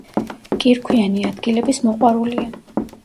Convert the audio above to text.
კირქვიანი ადგილების მოყვარულია.